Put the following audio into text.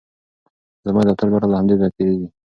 زما د دفتر لاره له همدې ځایه تېریږي.